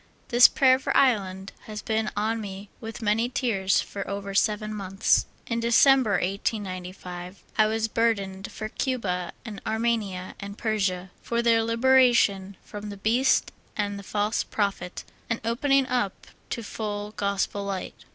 This pra^^er for Ireland has been on me with many tears for over seven months. In December, 1895, ^^'^'^^ burdened for Cuba and Armenia and Persia, for their liberation from the beast and the false prophet, and opening up to full Gospel light.